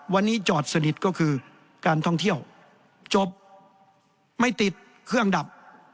วันนี้จอดสนิทก็คือการท่องเที่ยวจบไม่ติดเครื่องดับ